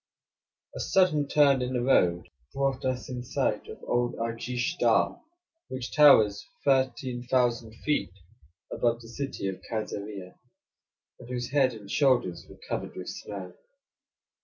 A sudden turn in the road now brought us in sight of old Arjish Dagh, which towers 13,000 feet above the city of Kaisarieh, and whose head and shoulders were covered with snow.